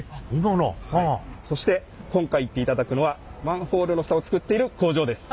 そして今回行っていただくのはマンホールの蓋を作っている工場です。